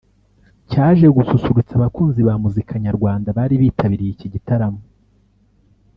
cyaje gususurutsa abakunzi ba muzika nyarwanda bari bitabiriye iki gitarmo